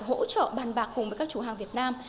hỗ trợ bàn bạc cùng với các chủ hàng việt nam